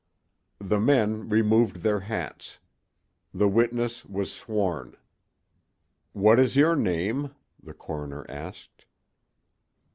The men removed their hats. The witness was sworn. "What is your name?" the coroner asked.